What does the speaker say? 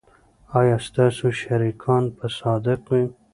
ایا ستاسو شریکان به صادق وي؟